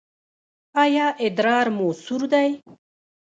ایا ادرار مو سور دی؟